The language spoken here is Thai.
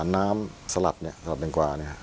น้ำสลัดเนี่ยสลัดแตงกว่าเนี่ย